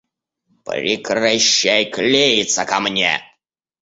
Прекращай клеиться ко мне!